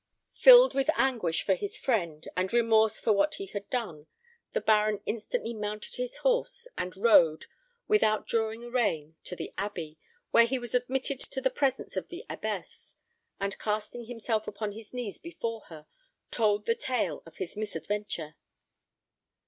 Filled with anguish for his friend, and remorse for what he had done, the baron instantly mounted his horse, and rode, without drawing a rein, to the abbey, where he was admitted to the presence of the abbess, and casting himself upon his knees before her, told the tale of his misadventure.